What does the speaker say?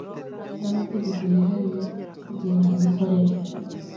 n amategeko yihariye ngenga mikorere